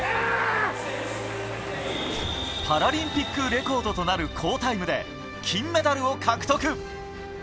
パラリンピックレコードとなる好タイムで金メダルを獲得。